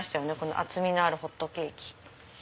厚みのあるホットケーキ。